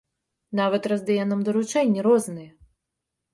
Нават раздае нам даручэнні розныя.